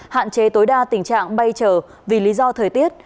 hạn chế tối đa tình trạng bay trở vì lý do thời tiết